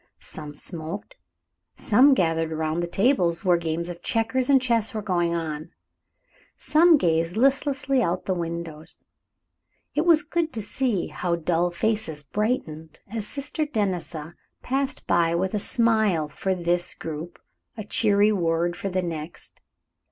Some smoked, some gathered around the tables where games of checkers and chess were going on; some gazed listlessly out of the windows. It was good to see how dull faces brightened, as Sister Denisa passed by with a smile for this group, a cheery word for the next.